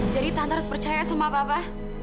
jadi tante harus percaya sama papa